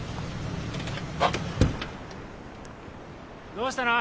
どうしたの？